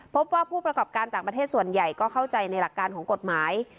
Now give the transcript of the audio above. พบว่าผู้ประกอบการต่างประเทศส่วนใหญ่ก็เข้าใจในหลักการของกฎหมาย